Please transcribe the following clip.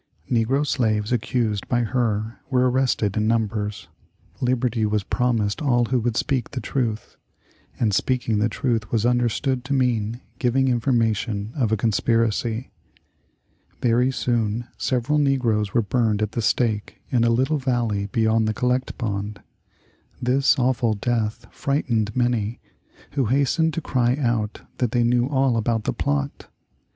Negro slaves accused by her were arrested in numbers. Liberty was promised all who would speak the truth, and speaking the truth was understood to mean giving information of a conspiracy. Very soon several negroes were burned at the stake in a little valley beyond the Collect Pond. This awful death frightened many, who hastened to cry out that they knew all about the plot.